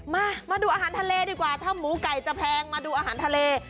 มาดูอาหารทะเลดีกว่าถ้าหมูไก่จะแพงมาดูอาหารทะเล